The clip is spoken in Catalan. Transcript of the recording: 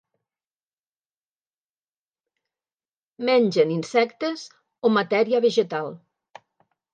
Mengen insectes o matèria vegetal.